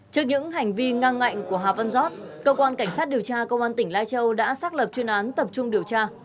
trước những hành vi ngang ngạnh của hà văn giót cơ quan cảnh sát điều tra công an tỉnh lai châu đã xác lập chuyên án tập trung điều tra